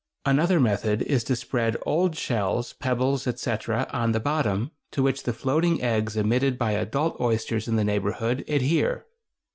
Another method is to spread old shells, pebbles, etc., on the bottom, to which the floating eggs emitted by adult oysters in the neighborhood adhere.